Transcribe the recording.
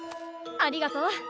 ありがとう。